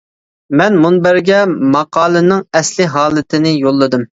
مەن مۇنبەرگە ماقالىنىڭ ئەسلى ھالىتىنى يوللىدىم.